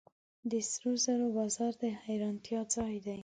د سرو زرو بازار د حیرانتیا ځای دی.